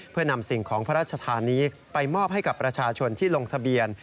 เพื่อนำสิ่งของพระราชทานนี้ไปมอบให้กับประชาชนที่ลงทะเบียน